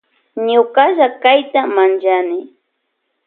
Ñukalla kayta manllani.